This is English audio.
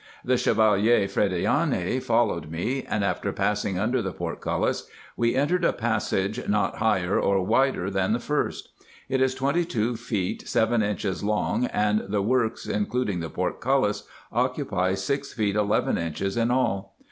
The Chevalier Frediani folbwed me, and after passing under the portcullis we entered a passage not higher or wider than the first. It is twenty two feet seven inches long, and the works including the portcullis occupy six feet eleven inches in all.